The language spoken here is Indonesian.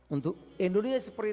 untuk indonesia seperti